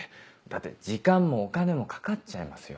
だって時間もお金もかかっちゃいますよ。